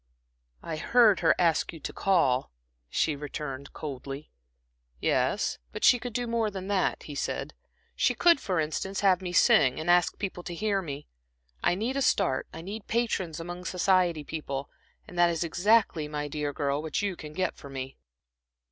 "I heard her ask you to call," she returned, coldly. "Yes, but she could do more than that," he said. "She could, for instance, have me sing and ask people to hear me. I need a start, I need patrons among society people; and that is exactly, my dear girl, what you can get me."